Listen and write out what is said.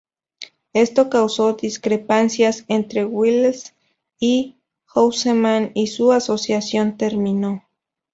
Esto causó discrepancias entre Welles y Houseman, y su asociación terminó.